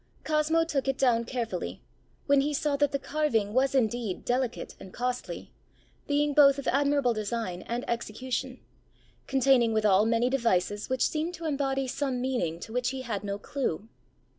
Cosmo took it down carefully, when he saw that the carving was indeed delicate and costly, being both of admirable design and execution; containing withal many devices which seemed to embody some meaning to which he had no clue.